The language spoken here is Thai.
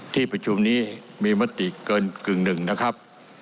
ที่ประชุมนี้มีมติเกินกึ่งหนึ่งนะครับ